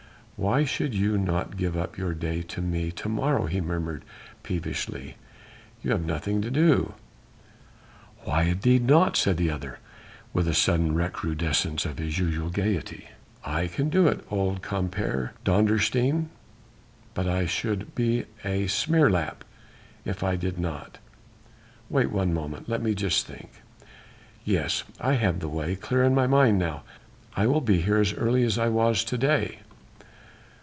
"Why should you not give up your day to me to morrow?" he murmured peevishly. "You have nothing to do." "Why indeed not?" said the other with a sudden recrudescence of his usual gaiety. "I can do it, old compeer! Dondersteen, but I should be a smeerlap if I did not. Wait one moment.... Let me just think.... Yes! I have the way clear in my mind now.... I will be here as early as I was to day."